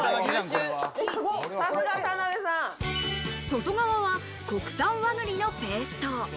外側は国産和栗のペースト。